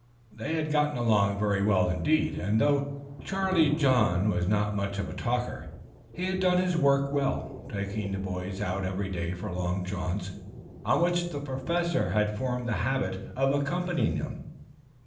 They had got along very well, indeed, and though Charlie John was not much of a talker, he had done his work well, taking the boys out every day for long jaunts, on which the Professor had formed the habit of accompanying them.